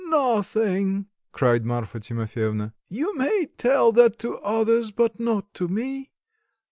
"Nothing!" cried Marfa Timofyevna; "you may tell that to others but not to me.